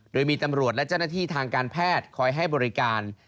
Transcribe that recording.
โดยมีตำรวจและเจ้าหน้าที่ทางการแพทย์คอยให้บริการ